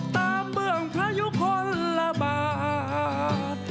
ตามเบื้องพระยุคลบาท